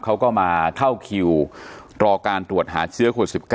เขาก็มาเข้าคิวรอการตรวจหาเชื้อโควิด๑๙